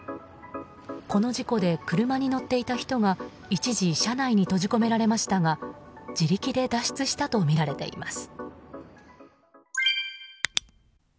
この事故で車に乗っていた人が一時車内に閉じ込められましたが自力で脱出したとみられています。